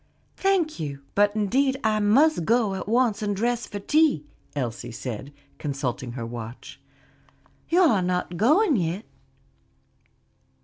"Thank you; but indeed I must go at once and dress for tea," Elsie said, consulting her watch. "You are not going yet?"